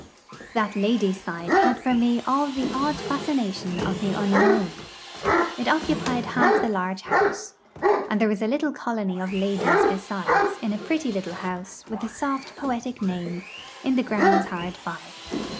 That ladies' side had for me all the odd fascination of the unknown. It occupied half the large house; and there was a little colony of ladies besides in a pretty little house with a soft poetic name, in the grounds hard by.